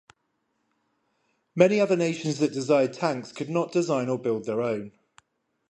Many other nations that desired tanks could not design or build their own.